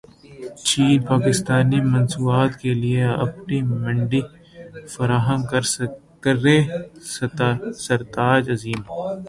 چین پاکستانی مصنوعات کیلئے اپنی منڈی فراہم کرے سرتاج عزیز